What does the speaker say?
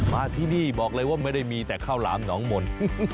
มาที่นี่บอกเลยว่าไม่ได้มีแต่ข้าวหลามหนองมนต์